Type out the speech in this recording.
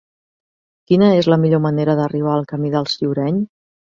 Quina és la millor manera d'arribar al camí del Ciureny?